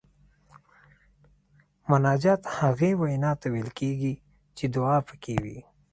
مناجات هغې وینا ته ویل کیږي چې دعا پکې وي.